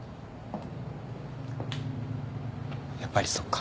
やっぱりそっか。